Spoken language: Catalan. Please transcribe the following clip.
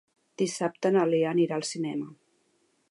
Dissabte na Lea anirà al cinema.